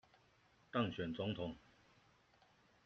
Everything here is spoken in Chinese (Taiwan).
當選總統